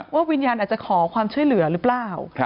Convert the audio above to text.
วิญญาณอาจจะขอความช่วยเหลือหรือเปล่า